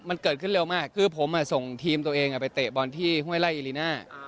มันเกิดขึ้นเร็วมากคือผมส่งทีมตัวเองไปเตะบอลที่ห้วยไล่อิลิน่า